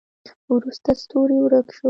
وروسته ستوری ورک شو.